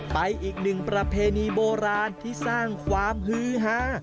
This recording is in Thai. ไปอีกหนึ่งประเพณีโบราณที่สร้างความฮือฮา